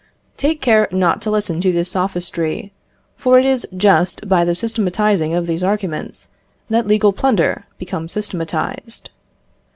Take care not to listen to this sophistry, for it is just by the systematising of these arguments that legal plunder becomes systematised.